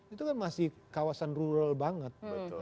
itu kan masih kawasan rural banget